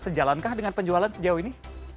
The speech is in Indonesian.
sejalankah dengan penjualan sejauh ini